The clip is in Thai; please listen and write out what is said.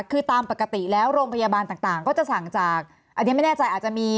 คือตามปกติแล้วโรงพยาบาลต่างก็จะสั่งจากอันนี้ไม่แน่ใจอาจจะมี